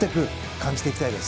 感じていきたいです。